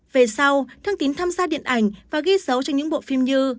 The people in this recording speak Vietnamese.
về sau thương tín tham gia điện ảnh và ghi dấu cho những bộ phim như